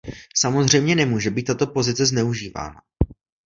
Samozřejmě nemůže být tato pozice zneužívána.